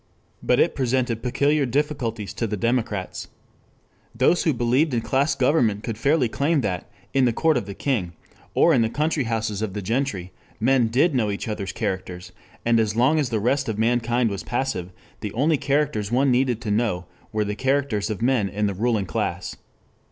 But it presented peculiar difficulties to the democrats. Those who believed in class government could fairly claim that in the court of the king, or in the country houses of the gentry, men did know each other's characters, and as long as the rest of mankind was passive, the only characters one needed to know were the characters of men in the ruling class.